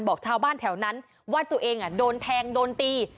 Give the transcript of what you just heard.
บอกชาวบ้านแถวนั้นว่าตัวเองโดนแทงโดนตี